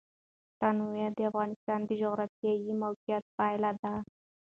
تنوع د افغانستان د جغرافیایي موقیعت پایله ده.